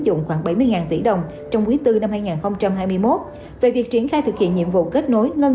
dụng khoảng bảy mươi tỷ đồng trong quý bốn năm hai nghìn hai mươi một về việc triển khai thực hiện nhiệm vụ kết nối ngân